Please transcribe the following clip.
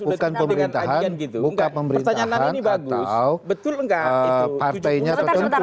bukan pemerintahan bukan pemerintahan atau partainya tertentu